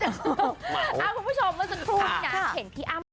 เอ้าคุณผู้ชมมันสนุนที่นั้น